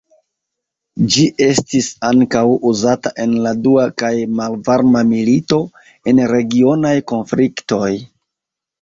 Ĝi estis ankaŭ uzata en la dua kaj malvarma milito, en regionaj konfliktoj.